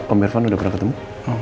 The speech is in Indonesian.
om irfan udah pernah ketemu